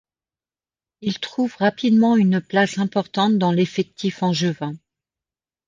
Il trouve rapidement une place importante dans l'effectif angevin.